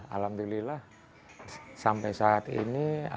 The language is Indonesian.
alhamdulillah sampai saat ini